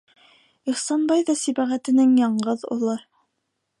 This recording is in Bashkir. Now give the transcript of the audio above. Ихсанбай ҙа Сибәғәтенең яңғыҙ улы.